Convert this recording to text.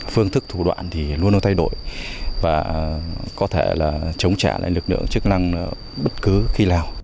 phương thức thủ đoạn luôn đều thay đổi và có thể chống trả lực lượng chức năng bất cứ khi nào